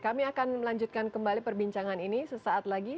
kami akan melanjutkan kembali perbincangan ini sesaat lagi